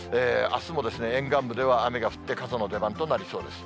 あすもですね、沿岸部では雨が降って傘の出番となりそうです。